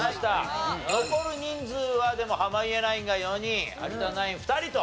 残る人数はでも濱家ナインが４人有田ナイン２人と。